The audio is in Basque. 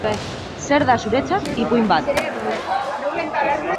Zer da zuretzat ipuin bat?